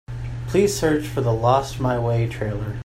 Please search for the Lost My Way trailer.